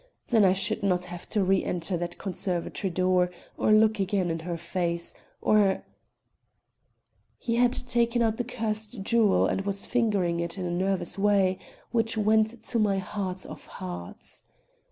Then I should not have to reënter that conservatory door or look again in her face, or " He had taken out the cursed jewel and was fingering it in a nervous way which went to my heart of hearts.